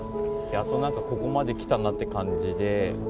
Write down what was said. やっとなんか、ここまできたなって感じで。